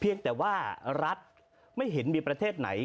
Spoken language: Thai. แต่ว่ารัฐไม่เห็นมีประเทศไหน